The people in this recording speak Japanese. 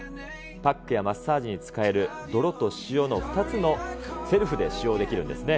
パックやマッサージに使える泥と塩の２つをセルフで使用できるんですね。